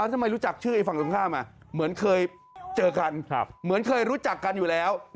ทำไมรู้จักชื่อไอ้ฝั่งตรงข้ามเหมือนเคยเจอกันเหมือนเคยรู้จักกันอยู่แล้ว